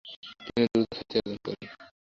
তিনি দ্রুত খ্যাতি অর্জন করেন।